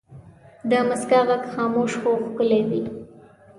د مسکا ږغ خاموش خو ښکلی وي.